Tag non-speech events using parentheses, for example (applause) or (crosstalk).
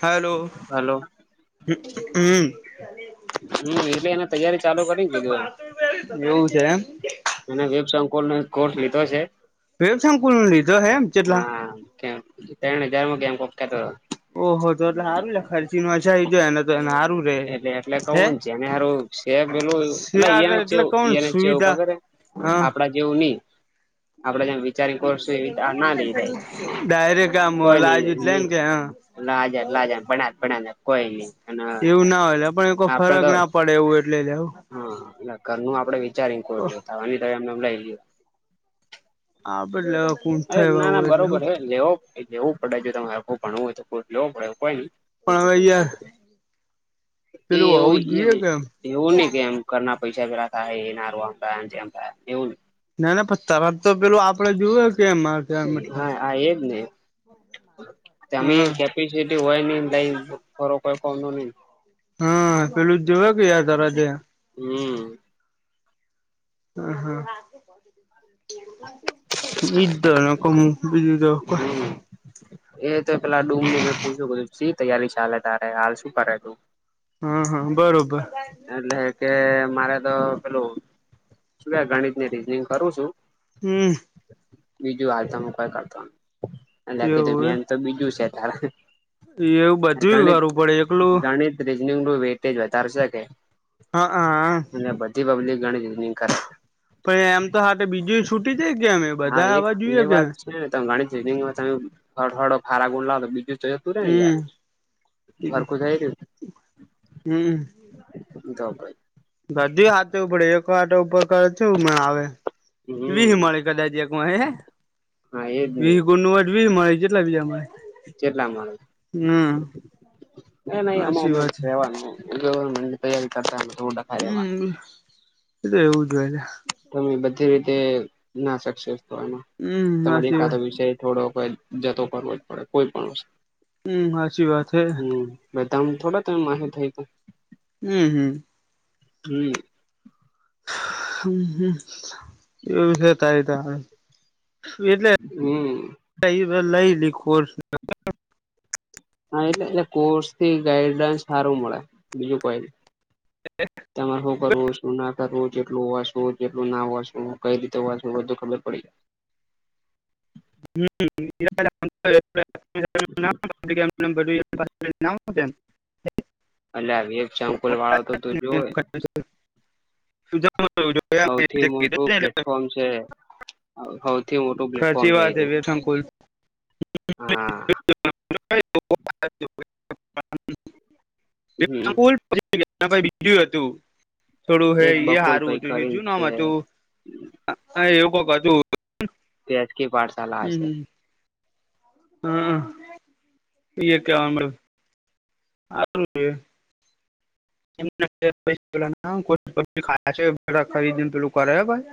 Hello hello હમ્મ. હમ્મ એટલે એને તૈયારી ચાલુ કરી કીધું એમ. એવું છે એમ? અને વેબ સંકોલનો એક કોર્સ લીધો છે વેબશંકુલ નો લીધો હે એમ ચેટલા હા. કેમ ત્રણ હજારમાં ગૈમ કોક થતો હતો. ઓહો તો તો હારું લખાયું શીમાક આઈ એને તો હાથ રું રે એટલે એટલે હે કવું જેને હારું છે પેલું શી એટલે આવે એને એટલે ચેવું કોણ એને ચેવું સુવિધા. ખબર હે હ. આપડા જેવું ની. આપડે જેમ વિચારી કોર્સ એવી રીતના ના લઈ લેય ડાયરેક્ટ આમ કોઈ ની લાજુ જ ની લઈને કે હા લાજ લાજા ભણાય ભણાયને કોઈ ની એન પણને કો ફરક ના પડે એવું એટલે જાવ. હા એટલે ઘરનું આપડે વિચાર કોડયો થવાનુ ની તો એમને એમ લઈ લે. આ બલો અરે ના ના બરોબર હે લેવો લેવું પડે તમાર આખું ભણવું હોય તો કોર્સ લેવો પડે કોઈ ની. પણ હવે યાર એ પેલું એવું હોવું એ જ નહીં જોઈએ કેમ એવું નહીં કેમ ઘરના પૈસા જરાક આય એના હારુ આમા જામા એવું નહીં. ના ના પન તારામ તો પેલું આપડે જોએ કે માર હા મતલબ આ એજ ને તમે હા એ કે પિસીટી હોય નઈ લઈ ફરો કોઈ કોમનુ નહીં. હા પેલું જ જોવા કે યાર તારા ત્યાં. હમ્મ. હ હા ઈધ ન કોમ બીજું તો બ હમ એ તો પેલા ડૂમની મેં પૂછું શી તૈયારી ચાલે તારે હાલ શું કરે તું? હ હ બરોબર. એટલે કે મારે તો પેલું શું કે ગણિત ની રીજનિંગ કરવું છું. હમ. બીજું હાલ તો કઈ કરતો એટલે કે જે એવું મેન તો બીજું છે તારે. એવું બધું કરવું પડે એકલું. રીજનેબલ વેતે વધારશો કે હા હા. અને બધી પબ્લિક ગણી ની કરે. પણ એમ તો હાતે બીજું છૂટી દઈ દે અમે બધા આવા જોઈએ કેમ. ત ગણી (inaudible) જમે ખારા ગાવ બીજું. તું તઈ યાર હમ ઘરખું જઈ રહયુ. હમ તો ભાઈ. બધી હાથે ઉપડે એક વાટ ઉપર. કછુ ના આવે હમ વીહ મળે કદાચ એક માહે હે હા એજ વી ગુનવટ બી મળે જેટલા બીજા મળે. જેટલા મળે હમ નહી આમાં હાચી અમે વાત છે રેવાનું. ગવર્મેન્ટની તેયારી કરતા (inaudible) કાર. હમ એ તો એવું જો હોય ને? તમે બધી રીતે ના શકશો પણ હમ તમારી હાચી એકાતો વાત વિષય. થોડો કજ જતો કરવો જ પડે કોઈ પણ વસ્તુ હમ સાચી વાત હૈ. ભઈ તમ થોડા તમ માથે થઈ ગયા. હમ હમ. હમ. હ એવ વિષ તારી ત. એટલે હમ લઈ લી ખ (inaudible) હા એટલે એલે કોર્સ થી ગાઈડલાઈ સારું મળે બીજું કોઈ તમારે શું કરવું શું ના તમે કેટલું વાંચવુ કેટલું ના વાંચવુ કંઈ રીતે વાંચવુ બધું ખબર પડે. હમ એ (inaudible) (unintelligible) (inaudible) અલ્યા આવી એક ઈગજાપલ વાળા તો તો જોવે. (unintelligible) સૌથી મોટું (inaudible) પ્લેટફોર્મ છે, હૌથી મોટો પ્લેટ. છી વાત છે, વથંકુલ હા હમ (inaudible) (unintelligible) (inaudible) (inaudible) બીડું હતું, થોડું હે એક હિ બકુલ ભાઈ હારું કરીને જુજું નામ છે. હતું તું એવું કોક હતું તે એચ કી પાઠશાલા હશે. (unintelligible) (inaudible) આ (inaudible) એ પીખા છે, (inaudible) ખરીદી ને પેલું કરે ભાઈ.